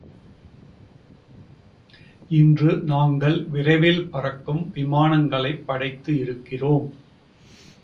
இன்று நாங்கள் விரைவில் பறக்கும் விமானங்களைப் படைத்து இருக்கிறோம்.